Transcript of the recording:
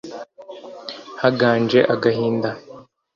haganje agahinda